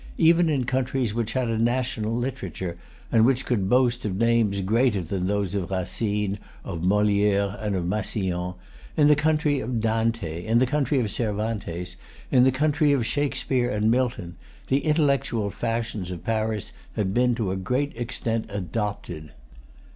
Even in countries which had a national literature, and which could boast of names greater than those of Racine, of Molière, and of Massillon, in the country of Dante, in the country of Cervantes, in the country of Shakespeare and Milton, the intellectual fashions of Paris had been to a great extent adopted.